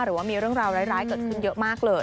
หรือว่ามีเรื่องราวร้ายเกิดขึ้นเยอะมากเลย